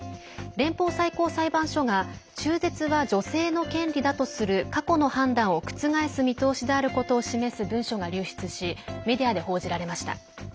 連邦最高裁判所が中絶は女性の権利だとする過去の判断を覆す見通しであることを示す文書が流出しメディアで報じられました。